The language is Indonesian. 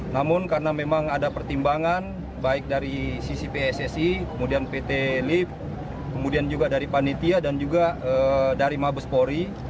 namun karena memang ada pertimbangan baik dari sisi pssi kemudian pt lift kemudian juga dari panitia dan juga dari mabespori